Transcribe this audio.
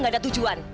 gak ada tujuan